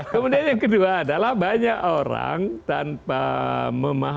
kemudian yang kedua adalah banyak orang tanpa memahami